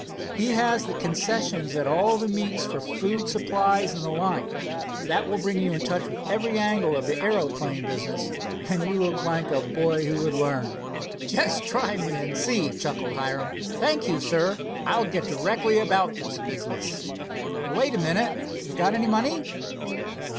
He has the concessions at all the meets for food supplies and the like. That will bring you in touch with every angle of the aeroplane business, and you look like a boy who would learn." "Just try me and see!" chuckled Hiram. "Thank you, sir, I'll get directly about this business." "Wait a minute—got any money?"